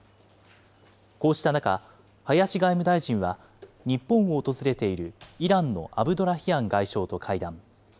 こうした中、林外務大臣は、日本を訪れているイランのアブドラヒアン外相と会談。